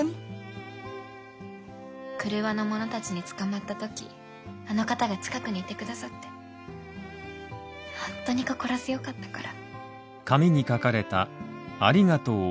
郭の者たちに捕まった時あの方が近くにいてくださって本当に心強かったから。